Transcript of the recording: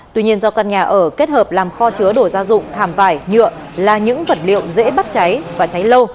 tuy nhiên do căn nhà ở kết hợp làm kho chứa đồ gia dụng thảm vải nhựa là những vật liệu dễ bắt cháy và cháy lâu